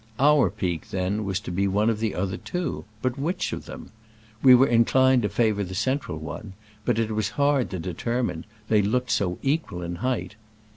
Our peak, then, was to be one of the other two, but which of them? We were inclined to favor the central one, but it was hard to determine, they look ed so equal in height.